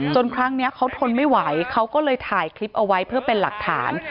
ครั้งนี้เขาทนไม่ไหวเขาก็เลยถ่ายคลิปเอาไว้เพื่อเป็นหลักฐาน